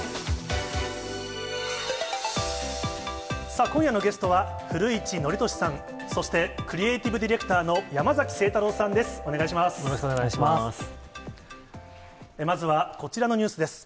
さあ、今夜のゲストは、古市憲寿さん、そしてくりえいてぃぶディレクターの山崎晴太郎さんです。